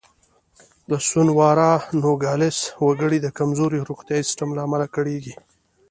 د سونورا نوګالس وګړي د کمزوري روغتیايي سیستم له امله کړېږي.